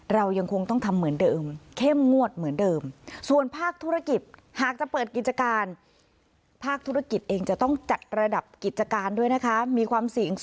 เรายังคงต้องทำเหมือนเดิมเข้มงวดเหมือนเดิม